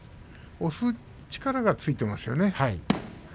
押す力がついていますよね。